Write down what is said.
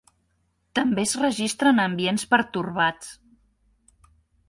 També es registra en ambients pertorbats.